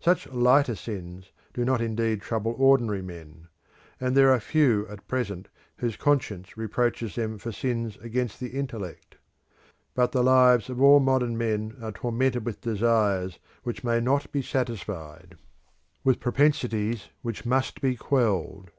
Such lighter sins do not indeed trouble ordinary men, and there are few at present whose conscience reproaches them for sins against the intellect. But the lives of all modern men are tormented with desires which may not be satisfied; with propensities which must be quelled.